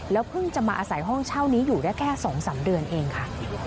เพิ่งจะมาอาศัยห้องเช่านี้อยู่ได้แค่๒๓เดือนเองค่ะ